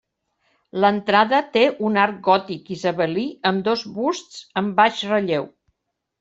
L'entrada té un arc gòtic isabelí amb dos busts en baix relleu.